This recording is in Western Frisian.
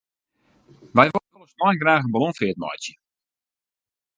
Wy wolle snein graach in ballonfeart meitsje.